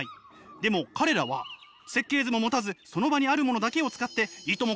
でも彼らは設計図も持たずその場にあるものだけを使っていとも